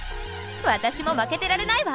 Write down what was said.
私も負けてられないわ！